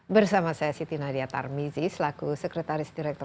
bersama saya siti nadia tarmizi selaku sekretaris direktur